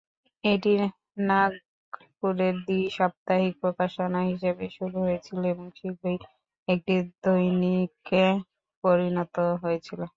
এটি নাগপুরের দ্বি-সাপ্তাহিক প্রকাশনা হিসাবে শুরু হয়েছিল এবং শীঘ্রই একটি দৈনিকে পরিণত হয়েছিল।